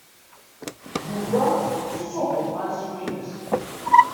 Yuba iṣubb uṭansyu-ines.